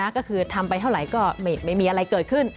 ก็คือทำไปเท่าไหร่ก็ไม่มีอะไรเกิดขึ้น